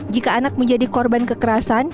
jika anak menjadi korban kekerasan